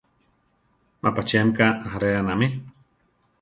Má pachía mika ajáreanami.